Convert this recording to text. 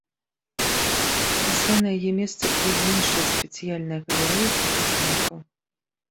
Пасля на яе месца прыйдзе іншая спецыяльная галерэя фотаздымкаў.